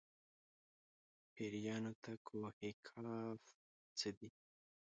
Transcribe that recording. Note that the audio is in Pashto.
پېریانو ته کوه قاف څه دي.